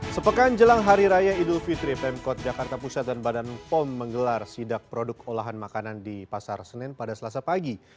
sepekan jelang hari raya idul fitri pemkot jakarta pusat dan badan pom menggelar sidak produk olahan makanan di pasar senen pada selasa pagi